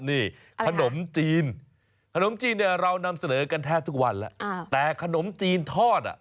นี่ขนมจีนขนมจีนเนี่ยเรานำเสนอกันแทบทุกวันแล้วแต่ขนมจีนทอดอ่ะ